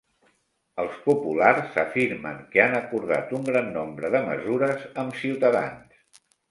Els populars afirmen que han acordat un gran nombre de mesures amb Ciutadans